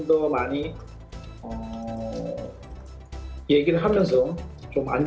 dan jika mereka berjuang